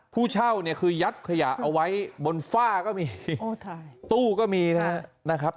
ผู้เช่าเนี่ยคือยัดขยะเอาไว้บนฝ้าก็มีตู้ก็มีนะครับ